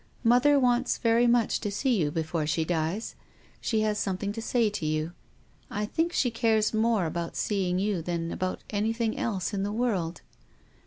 " Mother wants very much to see you, before she dies. She has something to say to you. I think she cares more about seeing you than about anything else in the world."